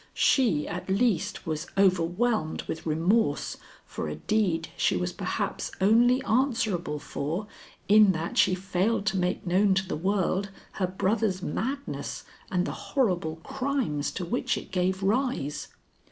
She, at least, was overwhelmed with remorse for a deed she was perhaps only answerable for in that she failed to make known to the world her brother's madness and the horrible crimes to which it gave rise.